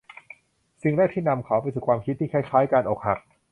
สิ่งแรกที่นำเขาไปสู่ความคิดที่คล้าย ๆ การอกหัก